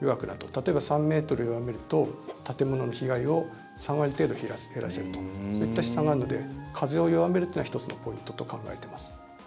例えば、３ｍ弱めると建物の被害を３割程度減らせるとそういった試算があるので風を弱めるというのは１つのポイントと考えています。